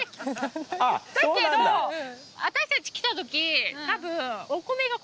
だけど私たち来た時たぶん。